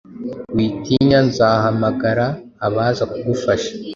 Witinya, nzahamagara abaza kugufasha